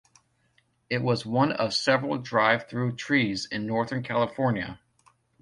It was one of several drive-through trees in northern California.